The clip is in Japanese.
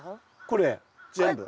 これ全部。